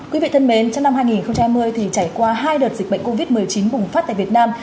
quý vị thân mến trong năm hai nghìn hai mươi thì trải qua hai đợt dịch bệnh covid một mươi chín bùng phát tại việt nam